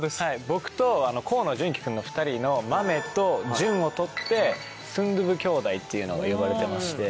僕と河野純喜君の２人の「豆」と「純」を取って「純豆腐兄弟」っていうので呼ばれてまして。